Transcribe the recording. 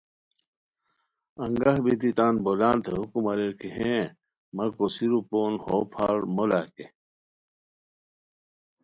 انگہ بیتی تان بولانتے حکم اریر کی ہیں مہ کوسیرو پون ہو پھارمولاکے